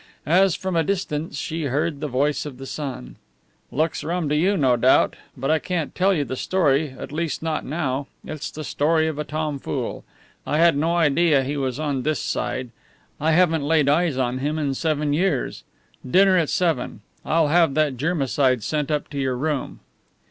As from a distance, she heard the voice of the son: "Looks rum to you, no doubt. But I can't tell you the story at least not now. It's the story of a tomfool. I had no idea he was on this side. I haven't laid eyes on him in seven years. Dinner at seven. I'll have that germicide sent up to your room."